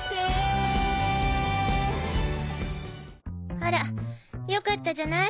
あら良かったじゃない？